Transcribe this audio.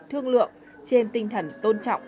thương lượng trên tinh thần tôn trọng